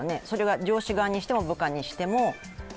それは上司側にしても部下にしても。